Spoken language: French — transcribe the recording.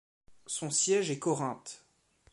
Son siège est Corinth.